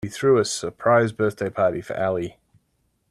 We threw a surprise birthday party for Ali.